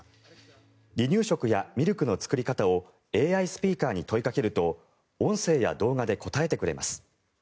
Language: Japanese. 離乳食やミルクの作り方をＡＩスピーカーに問いかけると音声や動画で答えてくれます。